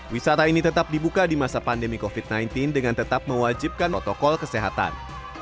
wisata ini tetap dibuka di masa pandemi covid sembilan belas dengan tetap mewajibkan protokol kesehatan